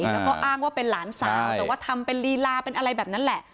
แล้วก็อ้างว่าเป็นหลานสาวแต่ว่าทำเป็นลีลาเป็นอะไรแบบนั้นแหละ